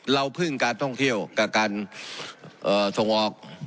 เราพึ่งการท่องเที่ยวกับการส่งออก